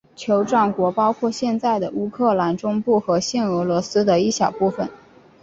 酋长国包括现在的乌克兰中部和现俄罗斯的一小部分。